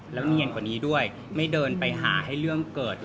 แล้วเนียนกว่านี้ด้วยไม่เดินไปหาให้เรื่องเกิด